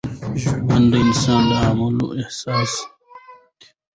ژوند د انسان د اعمالو حساب ساتي.